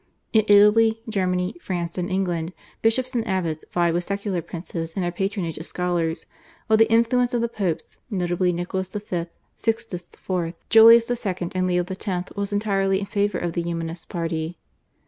In Italy, Germany, France, and England, bishops and abbots vied with secular princes in their patronage of scholars, while the influence of the Popes, notably Nicholas V., Sixtus IV., Julius II., and Leo X. was entirely in favour of the Humanist party.